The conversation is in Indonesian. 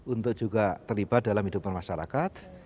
untuk juga terlibat dalam hidupan masyarakat